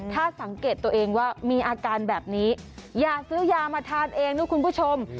ถ้าสังเกตตัวเองว่ามีอาการแบบนี้อย่าซื้อยามาทานเองนะคุณผู้ชม